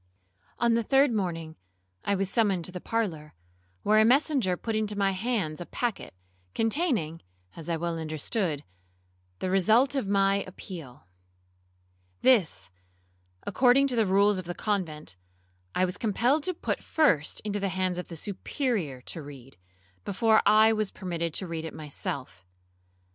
'On the third morning I was summoned to the parlour, where a messenger put into my hands a packet, containing (as I well understood) the result of my appeal. This, according to the rules of the convent, I was compelled to put first into the hands of the Superior to read, before I was permitted to read it myself.